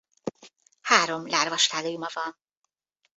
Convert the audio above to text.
Három lárvastádiuma van.